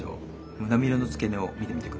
胸びれの付け根を見てみてください。